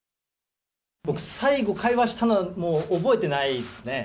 僕、最後、会話したのは、もう覚えてないですね。